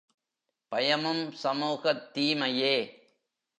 பயமும் சமூகத் தீமையே.